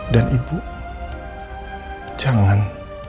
dan ibu jangan